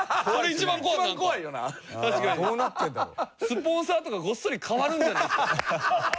スポンサーとかごっそり変わるんじゃないですか？